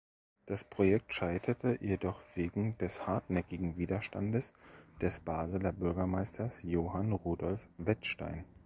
Das Projekt scheiterte jedoch wegen des hartnäckigen Widerstandes des Basler Bürgermeisters Johann Rudolf Wettstein.